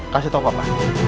kasih tau papa